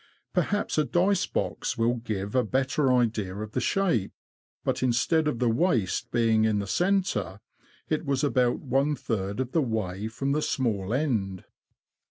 Perhaps a dice box will give a better idea of the shape, but instead of the waist being in the centre, it was about one third of the way from the small end.